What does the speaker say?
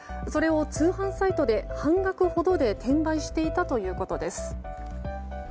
それを通販サイトで半額ほどで転売していたということです。